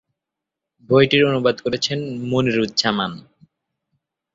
বইটির অনুবাদ করেছেন মুনীরুজ্জামান।